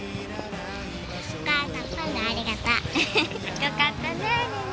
よかったね里奈。